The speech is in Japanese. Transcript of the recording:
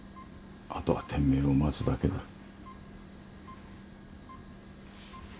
後は天命を待つだけだ。